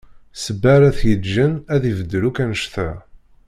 Ssebba ara t-yeǧǧen ad ibeddel akk annect-a.